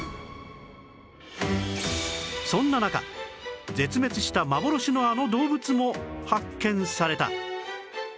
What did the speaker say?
そんな中絶滅した幻のあの動物も発見された